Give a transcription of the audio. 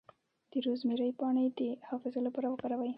د روزمیری پاڼې د حافظې لپاره وکاروئ